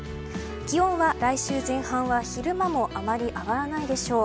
気温は来週前半は昼間もあまり上がらないでしょう。